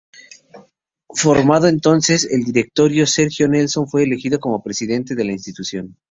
Formado entonces el directorio, Sergio Nelson fue elegido como presidente de la institución.